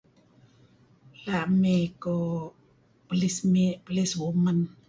La' mey kuh policeman policewoman